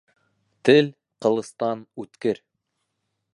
Тел ҡылыстан үткер.